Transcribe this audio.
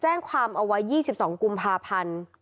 แจ้งความเอาไว้๒๒กุมภาพันธ์